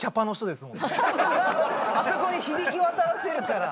あそこに響き渡らせるから。